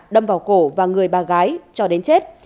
đâm vào cổ và người bà gái cho đến chết